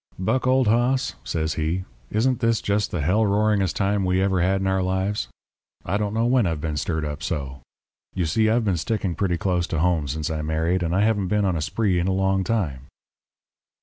"'Buck old hoss,' says he, 'isn't this just the hell roaringest time we ever had in our lives? I don't know when I've been stirred up so. You see, I've been sticking pretty close to home since I married, and I haven't been on a spree in a long time.'